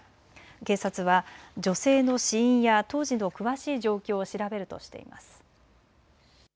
警察は女性の死因や当時の詳しい状況を調べるとしています。